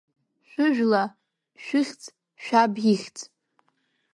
Шәыжәла, шәыхьӡ, шәаб ихьӡ?